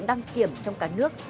đăng kiểm trong cả nước